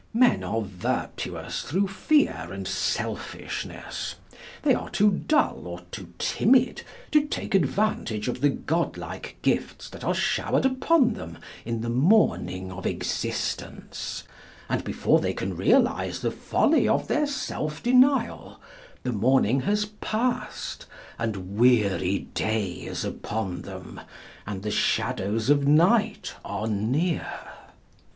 Men are virtuous through fear and selfishness. They are too dull or too timid to take advantage of the godlike gifts that are showered upon them in the morning of existence; and before they can realise the folly of their self denial, the morning has passed, and weary day is upon them, and the shadows of night are near.